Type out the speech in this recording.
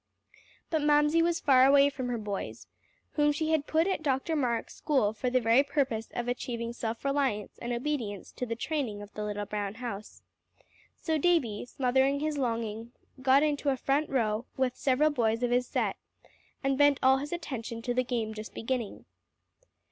But Mamsie was far away from her boys, whom she had put at Dr. Marks' school for the very purpose of achieving self reliance and obedience to the training of the little brown house. So Davie, smothering his longing, got into a front row with several boys of his set, and bent all his attention to the game just beginning.